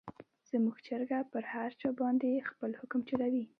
زموږ چرګه په هر چا باندې خپل حکم چلوي.